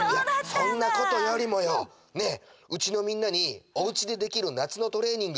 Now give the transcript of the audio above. そんなことよりもよねえうちのみんなに「おうちでできる夏のトレーニング」